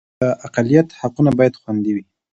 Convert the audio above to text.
د اقلیت حقونه باید خوندي وي